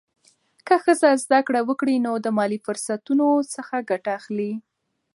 که ښځه زده کړه وکړي، نو د مالي فرصتونو څخه ګټه اخلي.